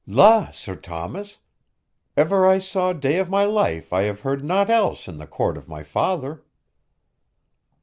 "La! Sir Thomas. Ever I saw day of my life I have heard naught else in the court of my father."